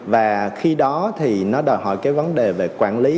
và khi đó thì nó đòi hỏi cái vấn đề về quản lý